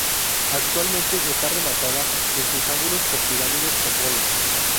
Actualmente está rematada en sus ángulos por pirámides con bolas.